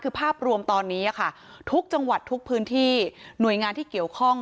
คือภาพรวมตอนนี้ค่ะทุกจังหวัดทุกพื้นที่หน่วยงานที่เกี่ยวข้อง